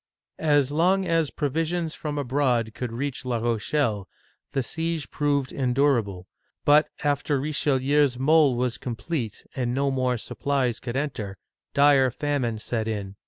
'* As long as provisions from abroad could reach La Rochelle, the siege proved endurable ; but after Richelieu's mole was complete, and no more supplies could enter, dire famine set in.